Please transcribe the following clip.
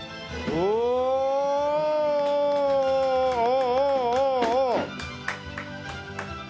おお！